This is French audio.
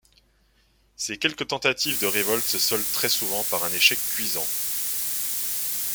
Ses quelques tentatives de révoltes se soldent très souvent par un échec cuisant.